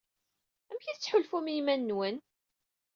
Amek i tettḥulfum i yiman-nwen?